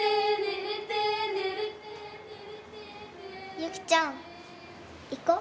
ユキちゃんいこう？